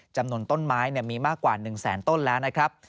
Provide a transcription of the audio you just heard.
จำนวนต้นไม้มีมากกว่า๑แสนต้นแล้วนะครับ